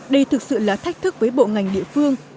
đây thực sự là thách thức với bộ ngành địa phương